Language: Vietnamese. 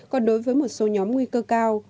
còn đối với một số nhóm nguy cơ cao